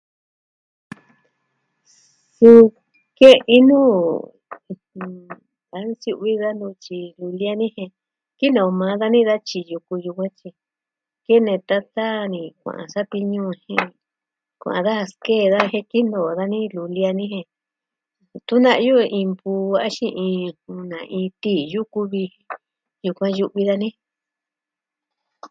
Suu, ke'in nu... a ntyivi da nu tyi jin la ni jen kene o maa dani da tyiyo ku yu ve. Kene tata ni kuaa satiñu jen kuaan da skee daa jen kinoo dani luli dani jen. Tun na'yu iin mpu... axin iin una iin tiyu kuvi yukuan yu'vi dani.